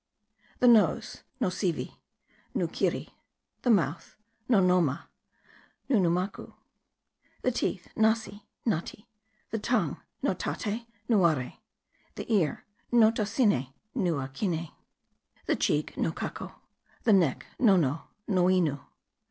The nose : Nosivi : Nukirri. The mouth : Nonoma : Nunumacu. The teeth : Nasi : Nati. The tongue : Notate : Nuare. The ear : Notasine : Nuakini. The cheek : Nocaco. The neck : Nono : Noinu.